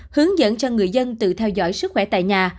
hướng dẫn cho người dân tự theo dõi sức khỏe tại nhà